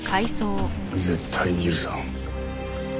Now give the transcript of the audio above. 絶対に許さん。